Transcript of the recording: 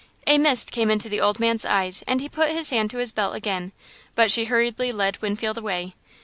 A mist came into the old man's eyes, and he put his hand to his belt again, but she hurriedly led Winfield away.